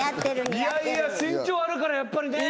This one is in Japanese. いやいや身長あるからやっぱり似合うね。